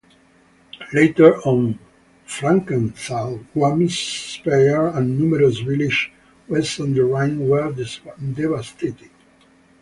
Later on, Frankenthal, Worms, Speyer and numerous villages west of the Rhine were devastated.